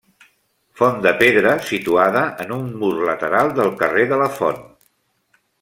Font de pedra situada en un mur lateral del carrer de la Font.